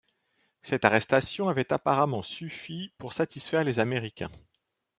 Cette arrestation avait apparemment suffi pour satisfaire les Américains.